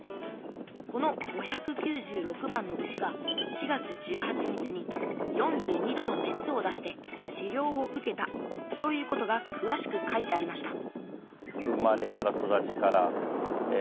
この５９６番の牛が４月１８日に４２度の熱を出して治りょうを受けたということがくわしく書いてありました